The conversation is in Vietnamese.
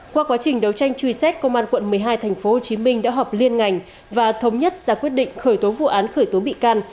qua quá trình đấu tranh truy xét công an quận một mươi hai tp hcm đã họp liên ngành và thống nhất ra quyết định khởi tố vụ án khởi tố bị can